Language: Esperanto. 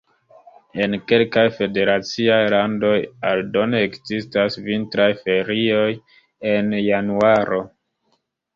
En kelkaj federaciaj landoj aldone ekzistas vintraj ferioj en januaro.